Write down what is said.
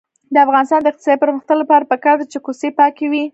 د افغانستان د اقتصادي پرمختګ لپاره پکار ده چې کوڅې پاکې وي.